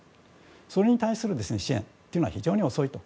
それに対する支援というのは非常に遅いと。